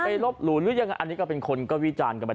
ลบหลู่หรือยังไงอันนี้ก็เป็นคนก็วิจารณ์กันไป